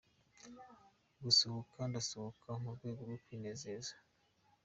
Gusohoka ndasohoka mu rwego rwo kwinezeza.